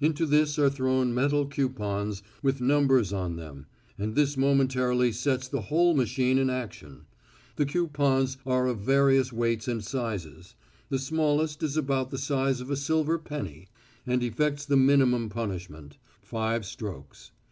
Into this are thrown metal coupons with numbers on them, and this momentarily sets the whole machine in action. The coupons are of various weights and sizes. The smallest is about the size of a silver penny, and effects the minimum punishment five strokes.